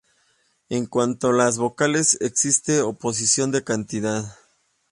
En cuanto a las vocales existe oposición de cantidad.